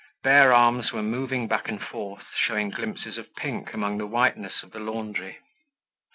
Bare arms were moving back and forth, showing glimpses of pink among the whiteness of the laundry.